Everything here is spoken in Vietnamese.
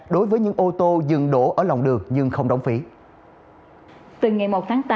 đang loay hoay